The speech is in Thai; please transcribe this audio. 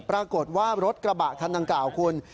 ปรากฏว่ารถกระบะคันดังกล่าวคุณ